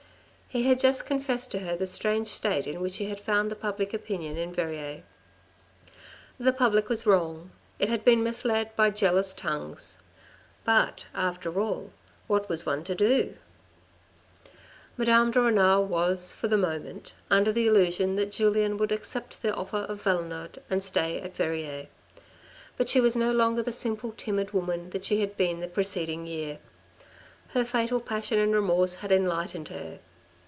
He had just confessed to her the strange state in which he had found public opinion in Verrieres. The public was wrong ; it had been misled by jealous tongues. But, after all, what was one to do? SORROWS OF AN OFFICIAL 163 Madame de Renal was, for the moment, under the illusion that Julien would accept the offer of Valenod and stay at Verrieres. But she was no longer the simple, timid woman that she had been the preceding year. Her fatal passion and remorse had enlightened her.